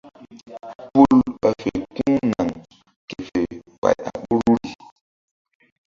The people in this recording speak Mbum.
Pul ɓa fe ku̧h naŋ ke fe pay a ɓoruri.